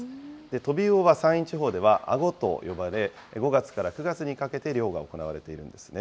トビウオは山陰地方ではあごと呼ばれ、５月から９月にかけて漁が行われているんですね。